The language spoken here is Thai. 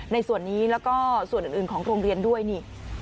ในส่วนนี้แล้วก็ส่วนอื่นของโรงเรียนด้วยนี่